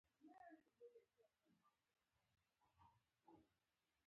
زکات د مال د پاکوالې او تذکیې سبب کیږی.